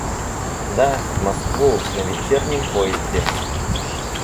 Да, в Москву, на вечернем поезде.